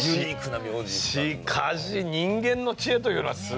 しかし人間の知恵というのはすごいね。